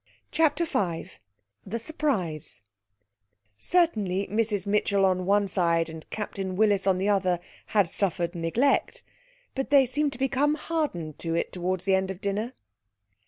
CHAPTER V The Surprise Certainly Mrs Mitchell on one side and Captain Willis on the other had suffered neglect. But they seemed to become hardened to it towards the end of dinner....